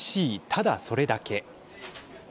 ただそれだけ。